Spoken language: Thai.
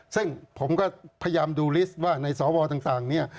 ซึ่งผมก็พยายามดูลิสต์ว่าในสวต่างเนี่ย